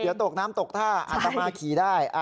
เดี๋ยวตกน้ำตกท่าอาจจะมาขี่ได้